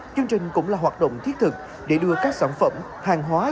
chương trình cũng là hoạt động thiết thực để đưa các sản phẩm hàng hóa